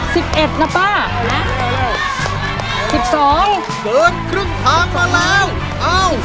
สิบเอ็ดนะป้านะสิบสองเกินครึ่งทางมาแล้วเอ้า